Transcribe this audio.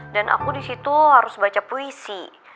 dan aku disitu harus baca puisi